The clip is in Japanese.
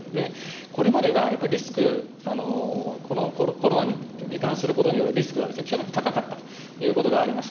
これまでがやっぱりリスク、このコロナにり患することによるリスクが極めて高かったということがあります。